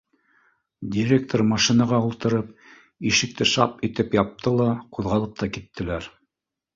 — Директор машинаға ултырып, ишекте шап иттереп япты ла, ҡуҙғалып та киттеләр.